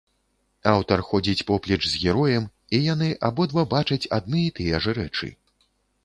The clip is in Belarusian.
Аўтар ходзіць поплеч з героем, і яны абодва бачаць адны і тыя ж рэчы.